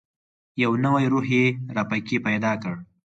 یو نوی روح یې را پکښې پیدا کړ.